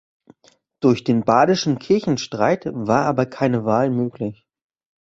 Durch den badischen Kirchenstreit war aber keine Wahl möglich.